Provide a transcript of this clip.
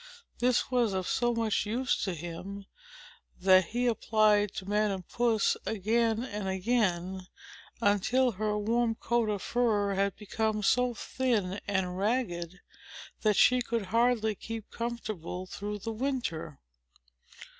This was of so much use to him, that he applied to Madam Puss again and again, until her warm coat of fur had become so thin and ragged, that she could hardly keep comfortable through the winter.